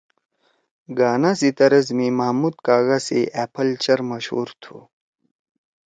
گانا سی طرز می محمد کاگا سی أ پھل چیر مشہور تُھو!